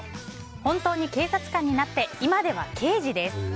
本当に警察官になって今では刑事です。